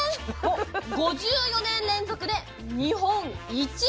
５４年連続で日本１位。